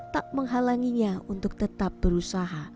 tak menghalanginya untuk tetap berusaha